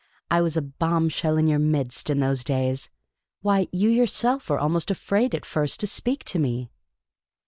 I was a bomb shell in your midst in those days ; why, you yourself were almost afraid at first to speak to me."